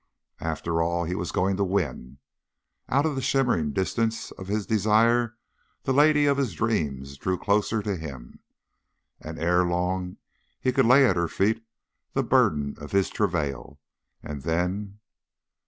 After all, he was going to win! Out of the shimmering distance of his desire, the lady of his dreams drew closer to him; and ere long he could lay at her feet the burden of his travail, and then